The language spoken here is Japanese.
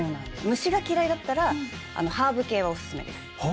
虫が嫌いだったらハーブ系はおススメです。